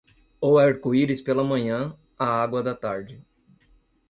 O arco-íris pela manhã, a água da tarde.